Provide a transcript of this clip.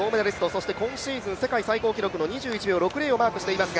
そして今シーズン世界最高記録の２１秒６０をマークしています。